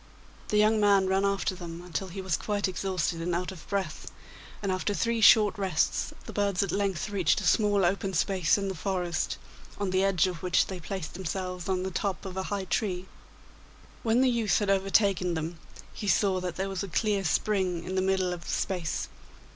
The young man ran after them until he was quite exhausted and out of breath, and after three short rests the birds at length reached a small open space in the forest, on the edge of which they placed themselves on the top of a high tree. When the youth had overtaken them, he saw that there was a clear spring in the middle of the space.